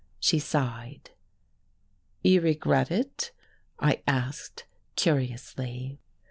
She sighed. "You regret it?" I asked curiously.